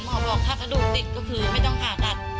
หมอบอกถ้ากระดูกติดก็คือไม่ต้องผ่าตัด